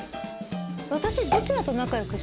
私。